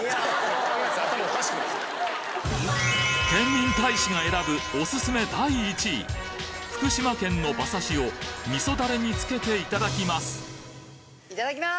ケンミン大使が選ぶおすすめ第１位福島県の馬刺しを味噌ダレにつけていただきますいただきます！